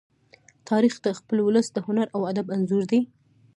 تاریخ د خپل ولس د هنر او ادب انځور دی.